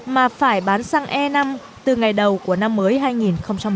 mà phải bán xăng e năm từ ngày đầu của năm mới hai nghìn một mươi tám